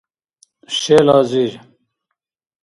шел азир